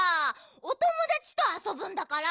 おともだちとあそぶんだから。